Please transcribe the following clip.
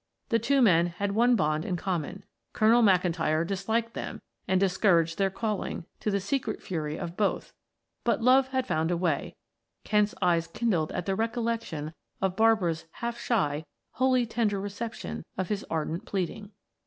The two men had one bond in common. Colonel McIntyre disliked them and discouraged their calling, to the secret fury of both, but love had found a way Kent's eyes kindled at the recollection of Barbara's half shy, wholly tender reception of his ardent pleading.